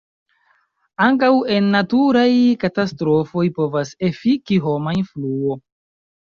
Ankaŭ en naturaj katastrofoj povas efiki homa influo.